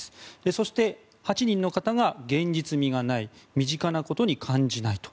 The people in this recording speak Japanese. そして８人の方が現実味がない身近なことに感じないと。